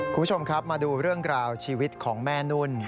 คุณผู้ชมครับมาดูเรื่องราวชีวิตของแม่นุ่น